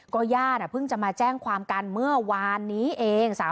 ญาติเพิ่งจะมาแจ้งความกันเมื่อวานนี้เอง